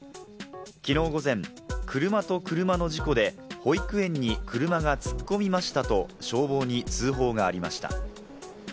昨日午前、車と車の事故で保育園に車が突っ込みましたと消防に通報がありました。